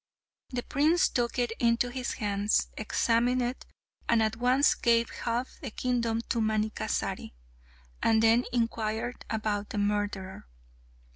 The prince took it into his hands, examined it, and at once gave half the kingdom to Manikkasari, and then inquired about the murderer.